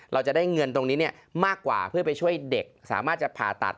เราจะได้เงินตรงนี้มากกว่าเพื่อไปช่วยเด็กสามารถจะผ่าตัด